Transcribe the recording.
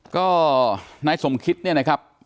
ก็นายสมคริชนะครับ